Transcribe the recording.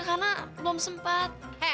karena belum sempat